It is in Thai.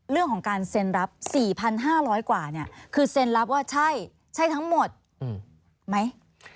เรื่องของการเซ็นรับ๔๕๐๐กว่าเนี่ยคือเซ็นรับว่าใช่ทั้งหมดไหม